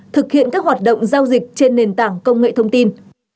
thực hiện các hoạt động giao dịch trên nền tảng công nghệ thông tin